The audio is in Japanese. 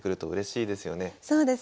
そうですよね。